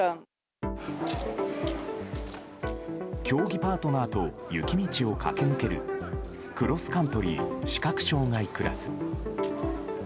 競技パートナーと雪道を駆け抜けるクロスカントリー視覚障害クラス。